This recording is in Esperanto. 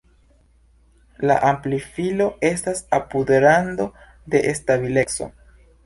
La amplifilo estas apud rando de stabileco.